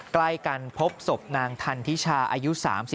ใกล้กันพบศพนางทันทิชาอายุ๓๒